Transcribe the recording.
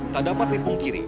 tak dapat dipungkiri